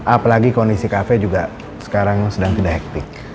apalagi kondisi kafe juga sekarang sedang tidak yang baik